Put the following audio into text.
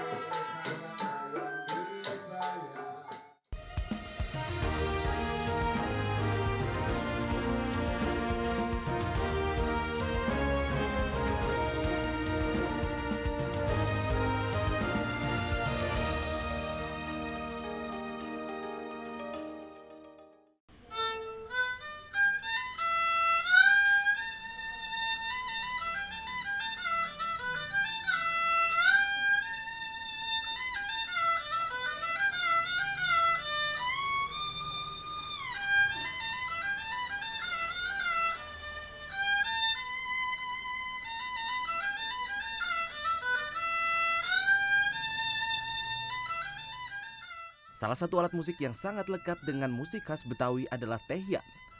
alunan melodi dan meletakkan musik yang sangat lekat dengan musik khas betawi adalah tehian